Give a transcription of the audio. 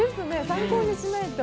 参考にしないと。